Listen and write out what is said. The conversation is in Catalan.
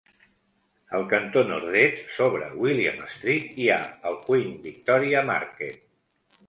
Al cantó nord-est sobre William Street, hi ha el Queen Victoria Market.